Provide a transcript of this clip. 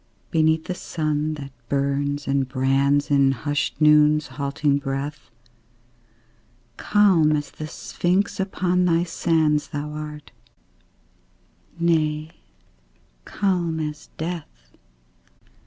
Beneath the sun that burns and brands In hushed Noon's halting breath, Calm as the Sphinx upon thy sands Thou art nay, calm as death.